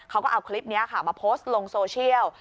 เขาก็เอาคลิปนี้ค่ะมาโพสต์ลงโซเชียล